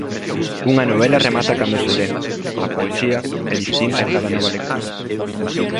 Unha novela remata cando se le, a poesía é distinta en cada nova lectura.